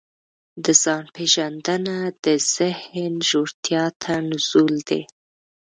د ځان پېژندنه د ذهن ژورتیا ته نزول دی.